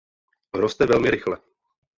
Roste velmi rychle.